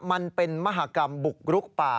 มันเป็นมหากรรมบุกรุกป่า